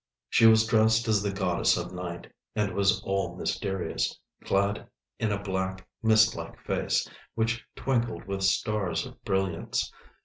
She was dressed as the Goddess of Night, and was all mysterious, clad in a black, mist like face, which twinkled with stars of brilliants.